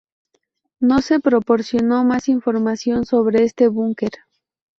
No se proporcionó más información sobre este búnker.